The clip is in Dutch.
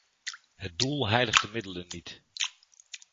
Het doel heiligt de middelen niet!